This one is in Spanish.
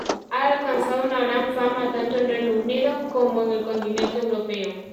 Ha alcanzado una gran fama tanto en Reino Unido, como en el continente europeo.